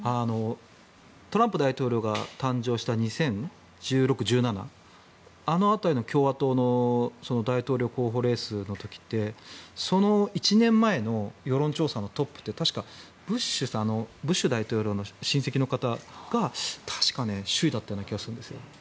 トランプ大統領が誕生した２０１６、１７あの辺りの共和党の大統領候補レースの時ってその１年前の世論調査のトップって確かブッシュ大統領の親戚の方が首位だったような気がするんですよ。